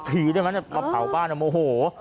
ถือได้ไหมมาเผาบ้านโอ้โฮ